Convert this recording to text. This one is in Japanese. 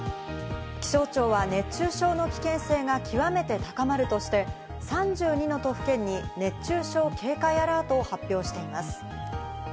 気象庁は熱中症の危険性が極めて高まるとして、３２の都府県に熱中症警戒アラートを発表しています。